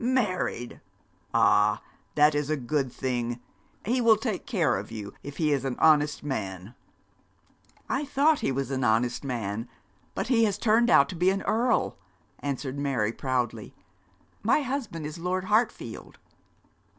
'Married! Ah, that is a good thing. He will take care of you, if he is an honest man.' 'I thought he was an honest man, but he has turned out to be an earl,' answered Mary, proudly. 'My husband is Lord Hartfield.'